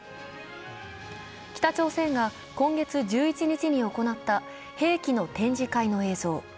北朝鮮が今月１１日に行った兵器の展示会の映像。